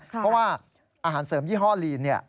เพราะว่าอาหารเสริมยี่ห้อลีน